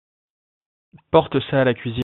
Porte ça à la cuisine.